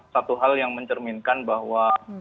satu hal yang mencerminkan bahwa